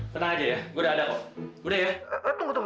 tenang aja ya gua udah ada kok gua udah ya